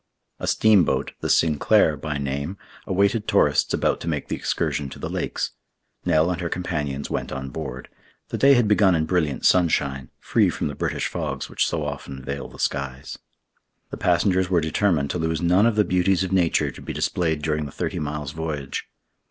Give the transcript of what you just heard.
A steamboat, the Sinclair by name, awaited tourists about to make the excursion to the lakes. Nell and her companions went on board. The day had begun in brilliant sunshine, free from the British fogs which so often veil the skies. The passengers were determined to lose none of the beauties of nature to be displayed during the thirty miles' voyage.